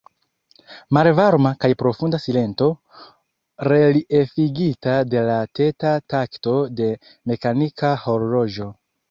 Malvarma kaj profunda silento, reliefigita de la teda takto de mekanika horloĝo.